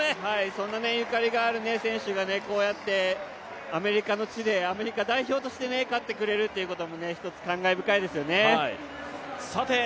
そんなゆかりがある選手がこうやってアメリカの地でアメリカ代表として入ってくれるということも１つ、感慨深いですよね。